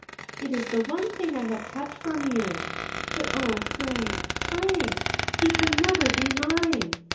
It is the one thing I have kept from you. But oh, Frank, Frank, he can never be mine.